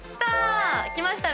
きた！